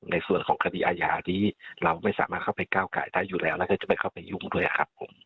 ในส่วนของคดีอาญานี้เราไม่สามารถเข้าไปก้าวไก่ได้อยู่แล้วแล้วก็จะไปเข้าไปยุ่งด้วยครับผม